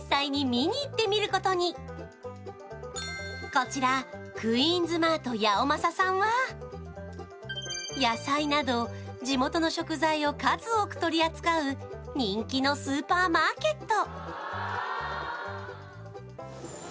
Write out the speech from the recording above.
こちら、クイーンズマートヤオマサさんは、野菜など地元の食材を数多く取り扱う人気のスーパーマーケット。